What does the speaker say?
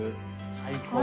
最高。